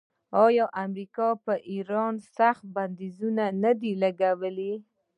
آیا امریکا پر ایران سخت بندیزونه نه دي لګولي؟